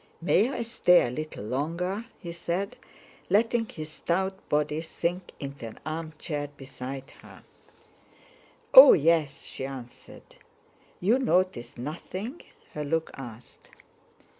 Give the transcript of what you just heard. "May I stay a little longer?" he said, letting his stout body sink into an armchair beside her. "Oh yes," she answered. "You noticed nothing?" her look asked.